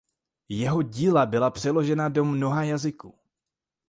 Jeho díla byla přeložena do mnoha jazyků.